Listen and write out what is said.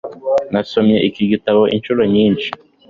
Nasomye iki gitabo inshuro nyinshi.